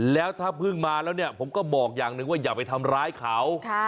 แล้วถ้าเพิ่งมาแล้วเนี่ยผมก็บอกอย่างหนึ่งว่าอย่าไปทำร้ายเขา